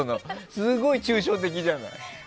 すごく抽象的じゃない。